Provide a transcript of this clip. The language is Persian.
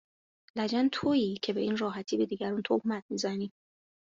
لجن تویی که به این راحتی به دیگرون تهمت می زنی